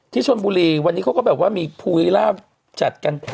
ที่ชนบุรีวันนี้เขาก็แบบว่ามีภูริล่าจัดกัน